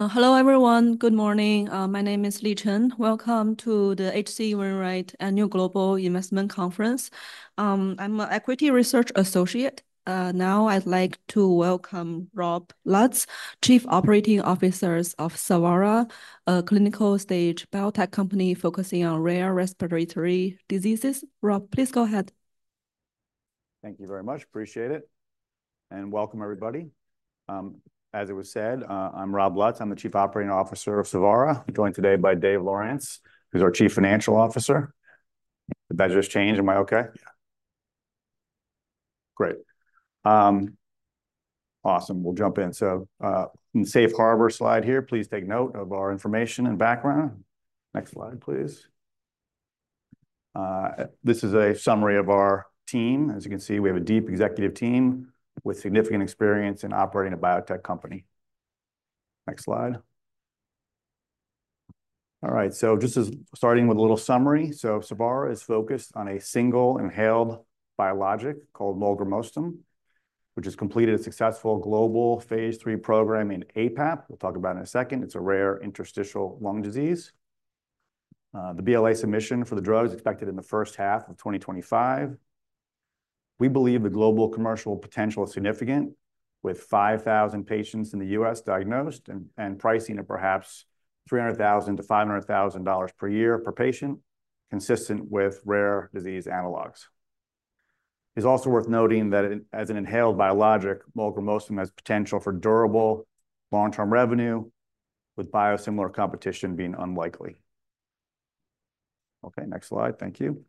Hello, everyone. Good morning. My name is Li Chen. Welcome to the H.C. Wainwright Global Investment Conference. I'm an Equity Research Associate. Now I'd like to welcome Rob Lutz, Chief Operating Officer of Savara, a clinical-stage biotech company focusing on rare respiratory diseases. Rob, please go ahead. Thank you very much. Appreciate it, and welcome, everybody. As it was said, I'm Rob Lutz. I'm the Chief Operating Officer of Savara. I'm joined today by Dave Lowrance, who's our Chief Financial Officer. Did that just change? Am I okay? Yeah. Great. Awesome. We'll jump in. So, in the Safe Harbor slide here, please take note of our information and background. Next slide, please. This is a summary of our team. As you can see, we have a deep executive team with significant experience in operating a biotech company. Next slide. All right, so just as starting with a little summary, so Savara is focused on a single inhaled biologic called molgramostim, which has completed a successful global phase 3 program in APAP. We'll talk about it in a second. It's a rare interstitial lung disease. The BLA submission for the drug is expected in the first half of 2025.We believe the global commercial potential is significant, with 5,000 patients in the U.S. diagnosed, and pricing at perhaps $300,000-$500,000 per year per patient, consistent with rare disease analogues. It's also worth noting that as an inhaled biologic, molgramostim has potential for durable long-term revenue, with biosimilar competition being unlikely. Okay, next slide. Thank you.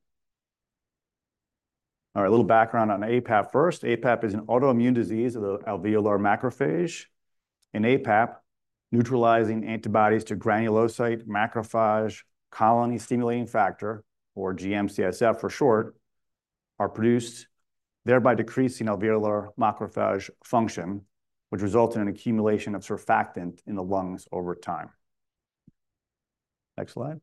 All right, a little background on APAP first. APAP is an autoimmune disease of the alveolar macrophage. In APAP, neutralizing antibodies to granulocyte-macrophage colony-stimulating factor, or GM-CSF for short, are produced, thereby decreasing alveolar macrophage function, which results in an accumulation of surfactant in the lungs over time. Next slide.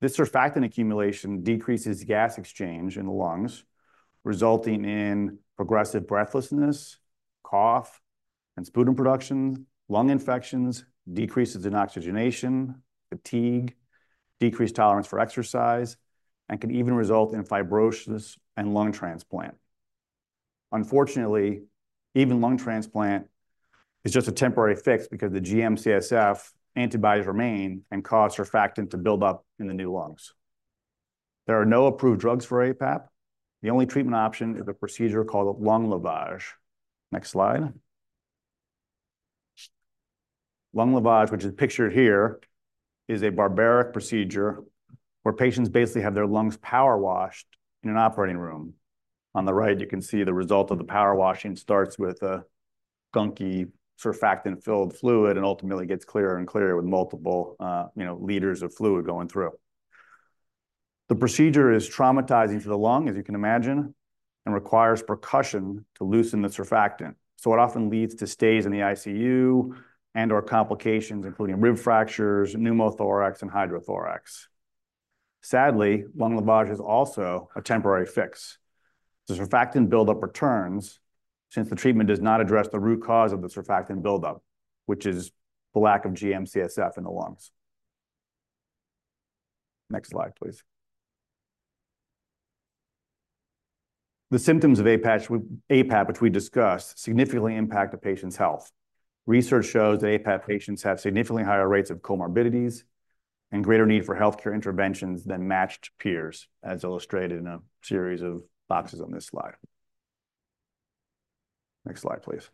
This surfactant accumulation decreases gas exchange in the lungs, resulting in progressive breathlessness, cough and sputum production, lung infections, decreases in oxygenation, fatigue, decreased tolerance for exercise, and can even result in fibrosis and lung transplant. Unfortunately, even lung transplant is just a temporary fix because the GM-CSF antibodies remain and cause surfactant to build up in the new lungs. There are no approved drugs for APAP. The only treatment option is a procedure called lung lavage. Next slide. Lung lavage, which is pictured here, is a barbaric procedure where patients basically have their lungs power washed in an operating room. On the right, you can see the result of the power washing starts with a gunky, surfactant-filled fluid and ultimately gets clearer and clearer with multiple, you know, liters of fluid going through. The procedure is traumatizing for the lung, as you can imagine, and requires percussion to loosen the surfactant, so it often leads to stays in the ICU and/or complications, including rib fractures, pneumothorax, and hydrothorax. Sadly, lung lavage is also a temporary fix. The surfactant buildup returns since the treatment does not address the root cause of the surfactant buildup, which is the lack of GM-CSF in the lungs. Next slide, please. The symptoms of APAP, which we discussed, significantly impact a patient's health. Research shows that APAP patients have significantly higher rates of comorbidities and greater need for healthcare interventions than matched peers, as illustrated in a series of boxes on this slide. Next slide, please.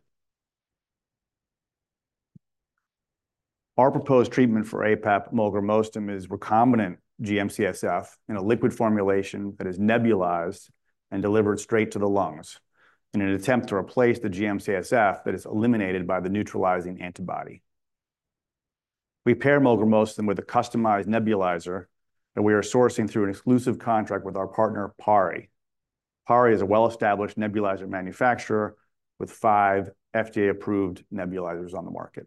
Our proposed treatment for APAP, molgramostim, is recombinant GM-CSF in a liquid formulation that is nebulized and delivered straight to the lungs in an attempt to replace the GM-CSF that is eliminated by the neutralizing antibody. We pair molgramostim with a customized nebulizer that we are sourcing through an exclusive contract with our partner, PARI. PARI is a well-established nebulizer manufacturer with five FDA-approved nebulizers on the market.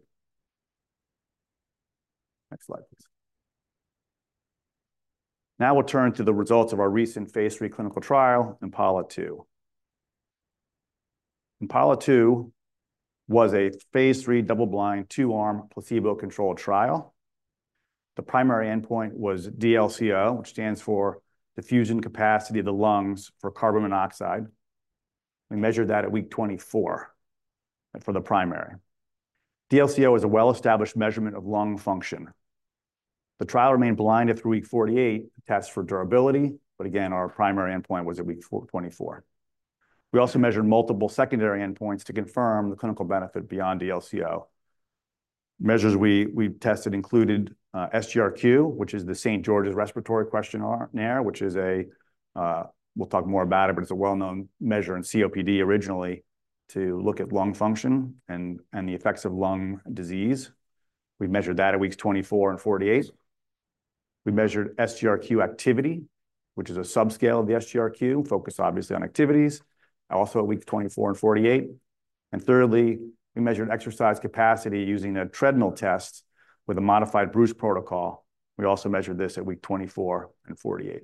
Next slide, please. Now we'll turn to the results of our recent phase III clinical trial, IMPALA-2. IMPALA-2 was a phase III double-blind, two-arm, placebo-controlled trial. The primary endpoint was DLCO, which stands for diffusion capacity of the lungs for carbon monoxide. We measured that at week twenty-four for the primary. DLCO is a well-established measurement of lung function. The trial remained blind through week 48, test for durability, but again, our primary endpoint was at week 24. We also measured multiple secondary endpoints to confirm the clinical benefit beyond DLCO. Measures we tested included SGRQ, which is the St. George's Respiratory Questionnaire, which is a we'll talk more about it, but it's a well-known measure in COPD, originally to look at lung function and the effects of lung disease. We measured that at weeks 24 and 48. We measured SGRQ activity, which is a subscale of the SGRQ, focused obviously on activities, also at weeks 24 and 48. And thirdly, we measured exercise capacity using a treadmill test with a modified Bruce protocol. We also measured this at week 24 and 48.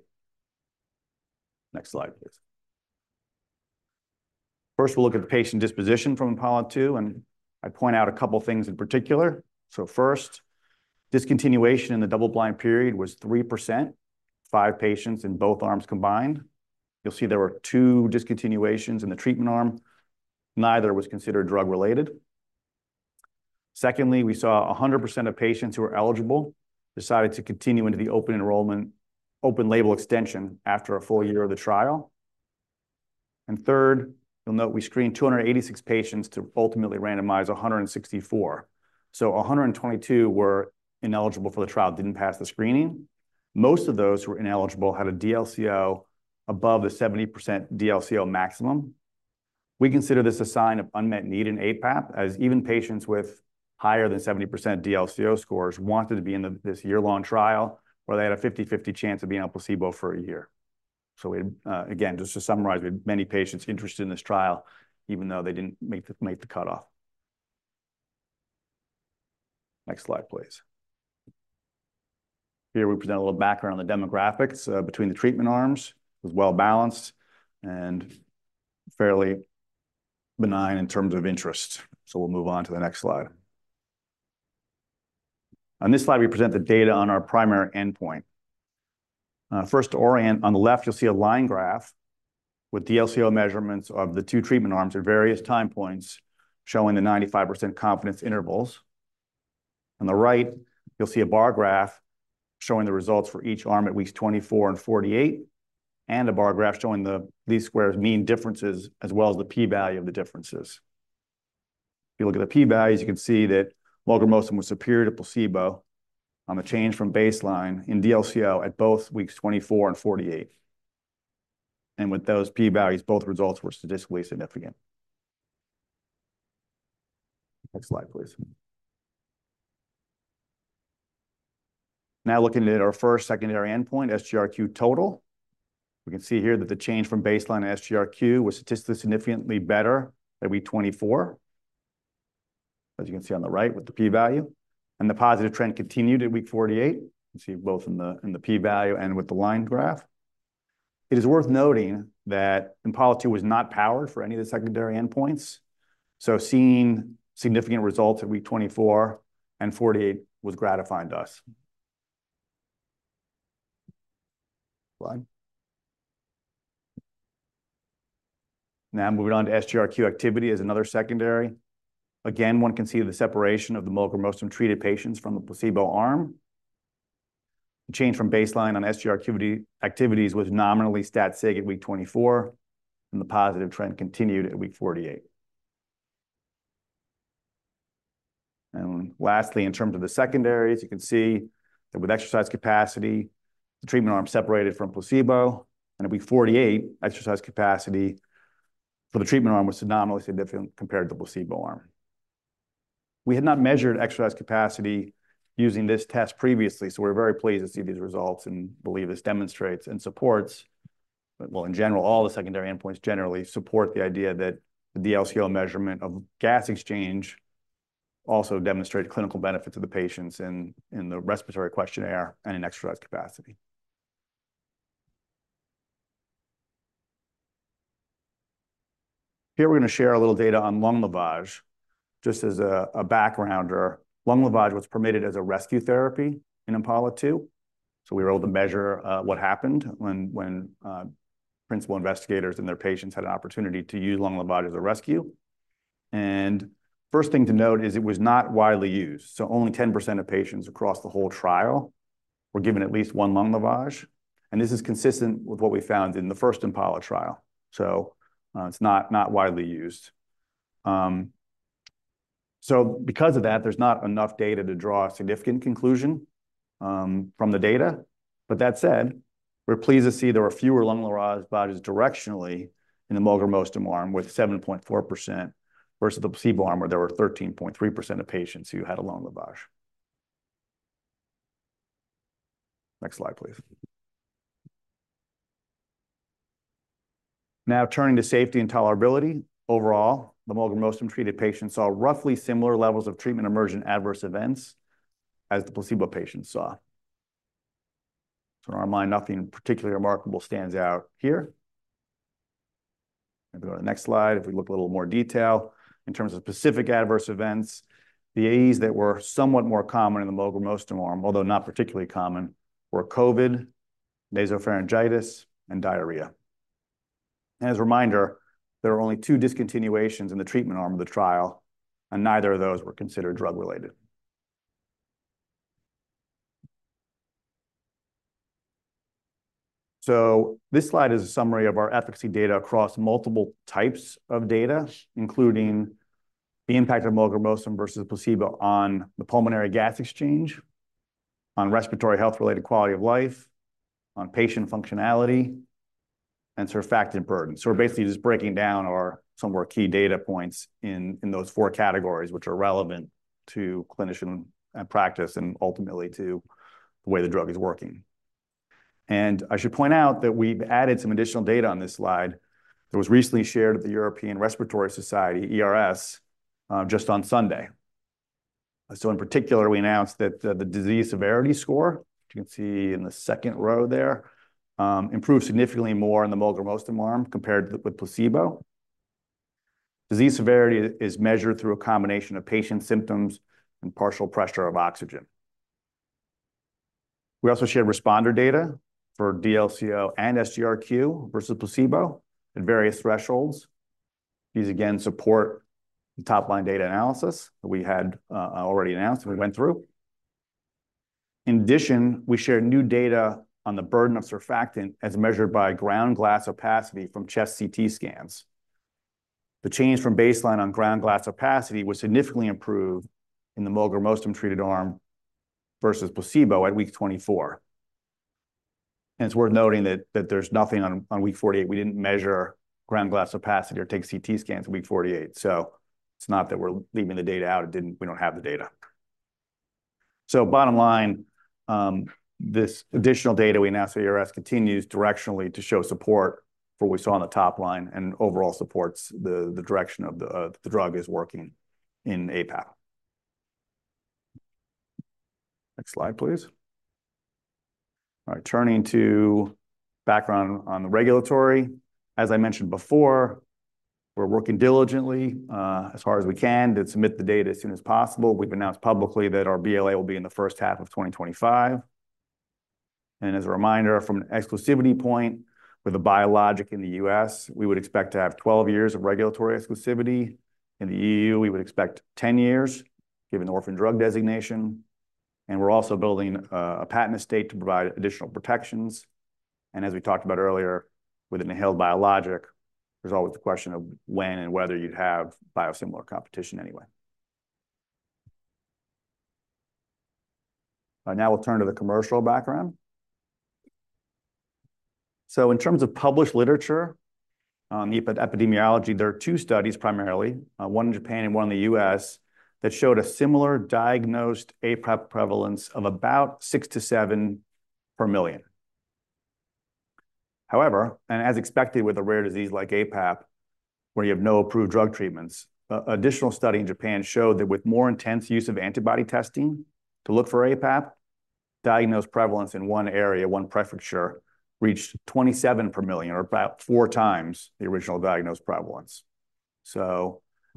Next slide, please. First, we'll look at the patient disposition from IMPALA-2, and I point out a couple of things in particular. So first, discontinuation in the double-blind period was 3%, five patients in both arms combined. You'll see there were two discontinuations in the treatment arm. Neither was considered drug-related. Secondly, we saw 100% of patients who were eligible decided to continue into the open enrollment, open label extension after a full year of the trial. And third, you'll note we screened 286 patients to ultimately randomize 164. So 122 were ineligible for the trial, didn't pass the screening. Most of those who were ineligible had a DLCO above the 70% DLCO maximum. We consider this a sign of unmet need in APAP, as even patients with higher than 70% DLCO scores wanted to be in this year-long trial, where they had a 50/50 chance of being on placebo for a year. So we, again, just to summarize, we had many patients interested in this trial, even though they didn't make the cutoff. Next slide, please. Here we present a little background on the demographics between the treatment arms. It was well-balanced and fairly benign in terms of interest, so we'll move on to the next slide. On this slide, we present the data on our primary endpoint. First, to orient, on the left, you'll see a line graph with DLCO measurements of the two treatment arms at various time points, showing the 95% confidence intervals. On the right, you'll see a bar graph showing the results for each arm at weeks 24 and 48, and a bar graph showing the least squares mean differences, as well as the p-value of the differences. If you look at the p-values, you can see that molgramostim was superior to placebo on the change from baseline in DLCO at both weeks 24 and 48. And with those p-values, both results were statistically significant. Next slide, please. Now, looking at our first secondary endpoint, SGRQ total, we can see here that the change from baseline SGRQ was statistically significantly better at week 24, as you can see on the right with the p-value, and the positive trend continued at week 48. You can see both in the, in the p-value and with the line graph. It is worth noting that IMPALA-2 was not powered for any of the secondary endpoints, so seeing significant results at week 24 and 48 was gratifying to us. Slide. Now, moving on to SGRQ activity as another secondary. Again, one can see the separation of the molgramostim treated patients from the placebo arm. The change from baseline on SGRQ activities was nominally stat sig at week 24, and the positive trend continued at week 48. Lastly, in terms of the secondaries, you can see that with exercise capacity, the treatment arm separated from placebo, and at week 48, exercise capacity for the treatment arm was nominally significant compared to the placebo arm. We had not measured exercise capacity using this test previously, so we're very pleased to see these results and believe this demonstrates and supports. In general, all the secondary endpoints generally support the idea that the DLCO measurement of gas exchange also demonstrate clinical benefit to the patients in the respiratory questionnaire and in exercise capacity. Here, we're gonna share a little data on lung lavage. Just as a backgrounder, lung lavage was permitted as a rescue therapy in IMPALA-2, so we were able to measure what happened when principal investigators and their patients had an opportunity to use lung lavage as a rescue. First thing to note is it was not widely used, so only 10% of patients across the whole trial were given at least one lung lavage, and this is consistent with what we found in the first IMPALA trial, so it's not widely used. So because of that, there's not enough data to draw a significant conclusion from the data. But that said, we're pleased to see there were fewer lung lavages directionally in the molgramostim arm, with 7.4%, versus the placebo arm, where there were 13.3% of patients who had a lung lavage. Next slide, please. Now, turning to safety and tolerability. Overall, the molgramostim-treated patients saw roughly similar levels of treatment-emergent adverse events as the placebo patients saw. So in our mind, nothing particularly remarkable stands out here. If we go to the next slide, if we look a little more detail in terms of specific adverse events, the AEs that were somewhat more common in the molgramostim arm, although not particularly common, were COVID, nasopharyngitis, and diarrhea. And as a reminder, there are only two discontinuations in the treatment arm of the trial, and neither of those were considered drug-related. So this slide is a summary of our efficacy data across multiple types of data, including the impact of molgramostim versus placebo on the pulmonary gas exchange, on respiratory health-related quality of life, on patient functionality, and surfactant burden. We're basically just breaking down some of our key data points in those four categories, which are relevant to clinicians in practice and ultimately to the way the drug is working. I should point out that we've added some additional data on this slide that was recently shared at the European Respiratory Society, ERS, just on Sunday. In particular, we announced that the disease severity score, which you can see in the second row there, improved significantly more in the molgramostim arm compared with placebo. Disease severity is measured through a combination of patient symptoms and partial pressure of oxygen. We also shared responder data for DLCO and SGRQ versus placebo at various thresholds. These, again, support the top-line data analysis that we had already announced and we went through.In addition, we shared new data on the burden of surfactant as measured by ground glass opacity from chest CT scans. The change from baseline on ground glass opacity was significantly improved in the molgramostim-treated arm versus placebo at week 24. And it's worth noting that there's nothing on week 48. We didn't measure ground glass opacity or take CT scans at week 48. So it's not that we're leaving the data out, it didn't. We don't have the data. So bottom line, this additional data we announced at ERS continues directionally to show support for what we saw on the top line, and overall supports the direction of the drug is working in APAP. Next slide, please. All right, turning to background on the regulatory. As I mentioned before, we're working diligently as hard as we can to submit the data as soon as possible. We've announced publicly that our BLA will be in the first half of 2025, and as a reminder, from an exclusivity point, with a biologic in the U.S., we would expect to have 12 years of regulatory exclusivity. In the EU, we would expect 10 years, given the orphan drug designation, and we're also building a patent estate to provide additional protections, and as we talked about earlier, with an inhaled biologic, there's always the question of when and whether you'd have biosimilar competition anyway. Now we'll turn to the commercial background. In terms of published literature on epidemiology, there are two studies, primarily, one in Japan and one in the U.S., that showed a similar diagnosed APAP prevalence of about 6-7 per million. However, and as expected with a rare disease like APAP, where you have no approved drug treatments, additional study in Japan showed that with more intense use of antibody testing to look for APAP, diagnosed prevalence in one area, one prefecture, reached 27 per million, or about 4x the original diagnosed prevalence.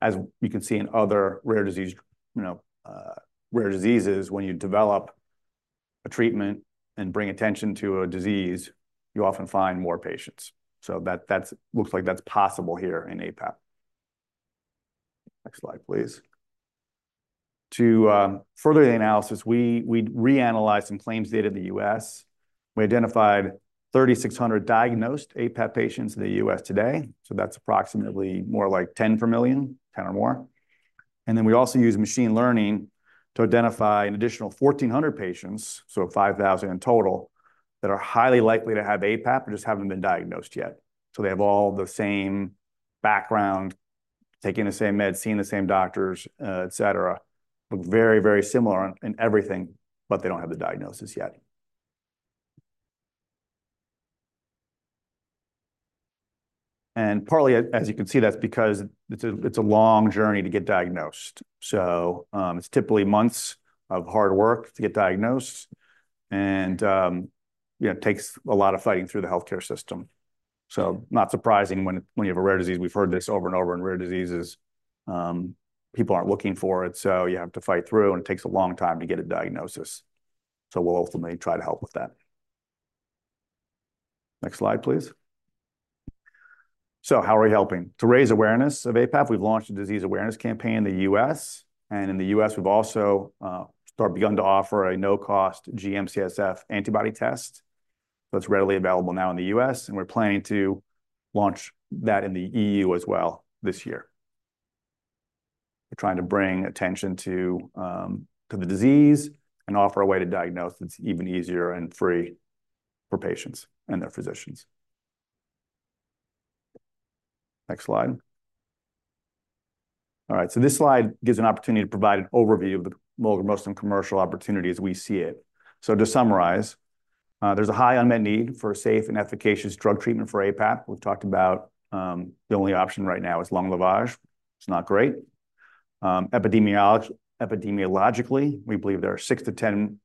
As you can see in other rare disease, you know, rare diseases, when you develop a treatment and bring attention to a disease, you often find more patients. That looks like that's possible here in APAP. Next slide, please. To further the analysis, we reanalyzed some claims data in the U.S. We identified 3,600 diagnosed APAP patients in the U.S. today, so that's approximately more like 10 per million, 10 or more, and then we also used machine learning to identify an additional 1,400 patients, so 5,000 in total, that are highly likely to have APAP but just haven't been diagnosed yet, so they have all the same background, taking the same meds, seeing the same doctors, et cetera. Look very, very similar in everything, but they don't have the diagnosis yet, and partly, as you can see, that's because it's a long journey to get diagnosed, so it's typically months of hard work to get diagnosed, and, you know, takes a lot of fighting through the healthcare system, so not surprising when you have a rare disease. We've heard this over and over in rare diseases, people aren't looking for it, so you have to fight through, and it takes a long time to get a diagnosis. So we'll ultimately try to help with that. Next slide, please. So how are we helping? To raise awareness of APAP, we've launched a disease awareness campaign in the U.S., and in the U.S., we've also begun to offer a no-cost GM-CSF antibody test that's readily available now in the U.S., and we're planning to launch that in the EU as well this year. We're trying to bring attention to, to the disease and offer a way to diagnose that's even easier and free for patients and their physicians. Next slide. All right, so this slide gives an opportunity to provide an overview of the molgramostim commercial opportunity as we see it. To summarize, there's a high unmet need for a safe and efficacious drug treatment for APAP. We've talked about the only option right now is lung lavage. It's not great. Epidemiologically, we believe there are 6-10,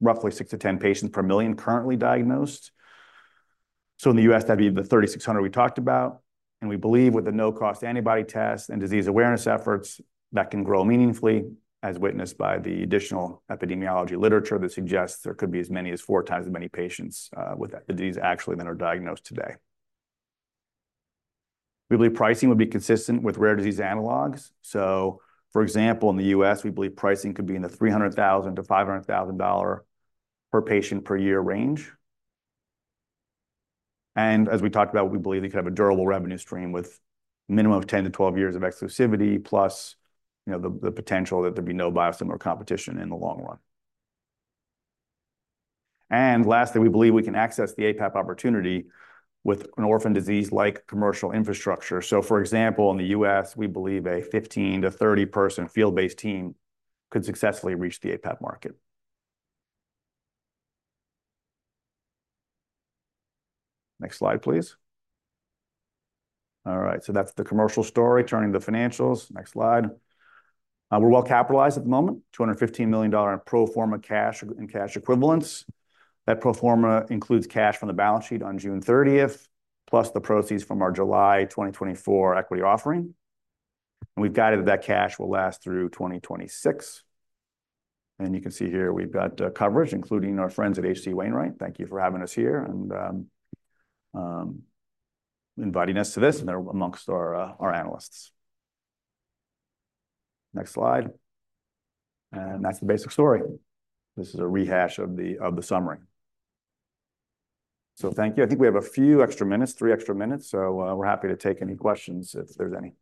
roughly 6-10 patients per million currently diagnosed. So in the U.S., that'd be the 3,600 we talked about, and we believe with the no-cost antibody test and disease awareness efforts, that can grow meaningfully, as witnessed by the additional epidemiology literature that suggests there could be as many as 4x as many patients with the disease actually than are diagnosed today. We believe pricing would be consistent with rare disease analogs. So for example, in the U.S., we believe pricing could be in the $300,000-$500,000 per patient per year range. As we talked about, we believe we could have a durable revenue stream with minimum of 10-12 years of exclusivity, plus, you know, the, the potential that there'd be no biosimilar competition in the long run. Lastly, we believe we can access the APAP opportunity with an orphan disease like commercial infrastructure. For example, in the U.S., we believe a 15-30-person field-based team could successfully reach the APAP market. Next slide, please. All right, that's the commercial story. Turning to the financials. Next slide. We're well capitalized at the moment, $215 million in pro forma cash and cash equivalents. That pro forma includes cash from the balance sheet on June 30th, plus the proceeds from our July 2024 equity offering, and we've guided that that cash will last through 2026. And you can see here we've got coverage, including our friends at H.C. Wainwright. Thank you for having us here and inviting us to this, and they're amongst our analysts. Next slide. And that's the basic story. This is a rehash of the summary. So thank you. I think we have a few extra minutes, three extra minutes, so we're happy to take any questions if there's any.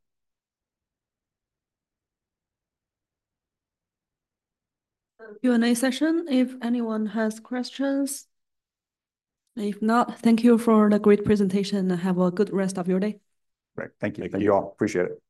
Q&A session, if anyone has questions. If not, thank you for the great presentation, and have a good rest of your day. Great. Thank you. Thank you all. Appreciate it.